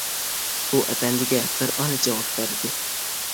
بۇ ئەپەندىگە بىر ئانا جاۋاب بەردى.